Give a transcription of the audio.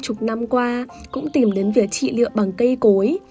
nhưng mà có một cây